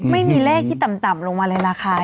ไม่มีเลขที่ต่ำลงมาเลยราคา